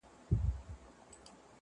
خندا د انسان غم کموي